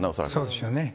そうでしょうね。